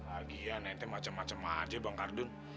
agian nanti macam macam aja bang kardun